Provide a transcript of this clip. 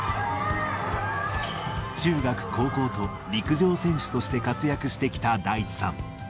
中学、高校と、陸上選手として活躍してきた大智さん。